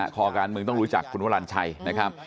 คอการเมืองต้องรู้จักคุณวรรณชัยนะครับ